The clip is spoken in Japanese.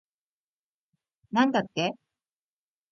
なんだって